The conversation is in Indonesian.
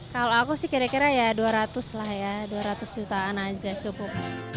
kalau aku sih kira kira ya dua ratus lah ya dua ratus jutaan aja cukup